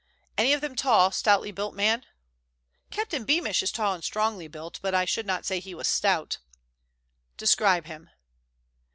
"Any of them a tall, stoutly built man?" "Captain Beamish is tall and strongly built, but I should not say he was stout." "Describe him."